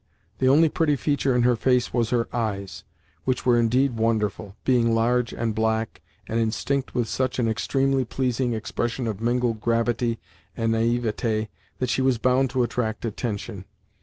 The only pretty feature in her face was her eyes, which were indeed wonderful, being large and black, and instinct with such an extremely pleasing expression of mingled gravity and naïveté that she was bound to attract attention.